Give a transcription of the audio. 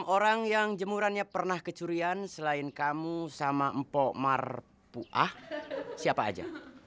enam orang yang jemurannya pernah kecurian selain kamu sama mpok marpuah siapa aja